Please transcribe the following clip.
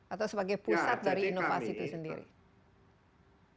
atau sebagai pusat dari inovasi itu sendiri